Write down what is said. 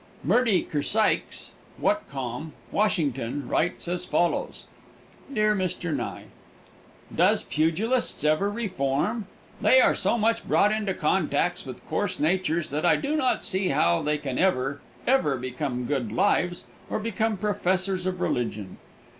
Mertie Kersykes, Whatcom, Washington, writes as follows: "Dear Mr. Nye, does pugilists ever reform? They are so much brought into Contax with course natures that I do not see how they can ever, ever become good lives or become professors of religion.